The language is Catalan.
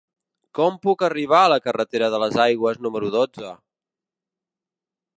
Com puc arribar a la carretera de les Aigües número dotze?